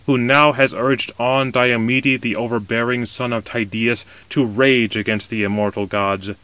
Who now has urged on Diomede, the overbearing son of Tydeus, to rage against the immortal gods.